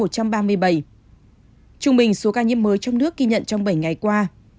trung bình số ca nhiễm mới trong nước ghi nhận trong bảy ngày qua